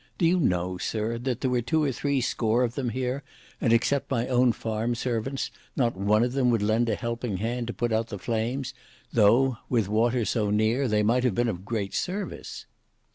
Do you know, sir, there were two or three score of them here, and, except my own farm servants, not one of them would lend a helping hand to put out the flames, though, with water so near, they might have been of great service."